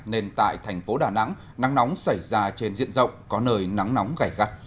nên tại thành phố đà nẵng nắng nóng xảy ra trên diện rộng có nơi nắng nóng gầy gắt